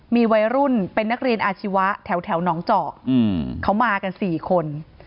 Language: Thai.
มีวัยรุ่นเป็นนักเรียนอาชีวะแถวหนองเจาะเขามากัน๔คน